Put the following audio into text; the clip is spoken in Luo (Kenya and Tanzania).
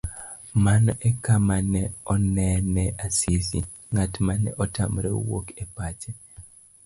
Mano ekama ne onene Asisi, ng'at mane otamre wuok e pache.